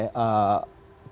kementerian kesehatan nasional